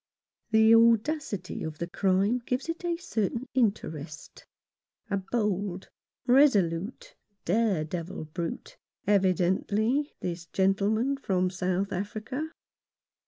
The audacity of the crime gives it a certain interest. A bold, resolute, dare devil brute, evidently, this gentleman from South Africa.